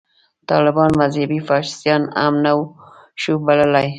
طالبان مذهبي فاشیستان هم نه شو بللای.